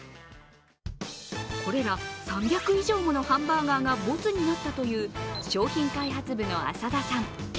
これら、３００以上のハンバーガーがボツになったという商品開発部の浅田さん。